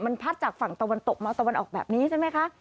มันพัดจากฝั่งตะวันตกมาตะวันออกแบบนี้ใช่ไหมคะ